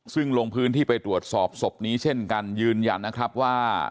ซึ่งลงพื้นที่ไปตรวจสอบศพนี้เช่นกันยืนยันนะครับว่า